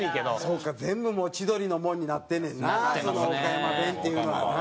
そうか全部もう千鳥のもんになってんねんな岡山弁っていうのはな。